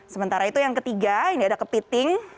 sementara itu yang ketiga ini ada kepiting